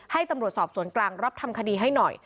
ให้ตำรวจสอบสวนกลางรับทำคดีให้หน่อย